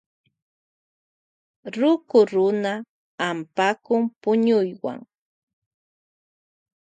Ruku runa ampakun puñuywan.